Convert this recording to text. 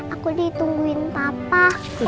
aku ditungguin papa